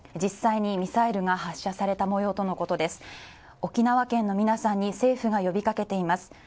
沖縄県の皆さんに政府が呼びかけています。